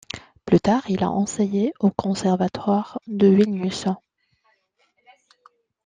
Plus tard, il a enseigné au Conservatoire de Vilnius.